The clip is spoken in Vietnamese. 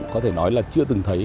có thể nói là chưa từng thấy